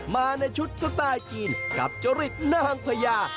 มาในชุดสไตล์จีนกับจริตนางพญา